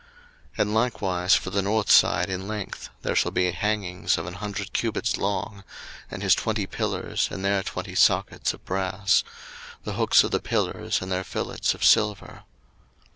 02:027:011 And likewise for the north side in length there shall be hangings of an hundred cubits long, and his twenty pillars and their twenty sockets of brass; the hooks of the pillars and their fillets of silver.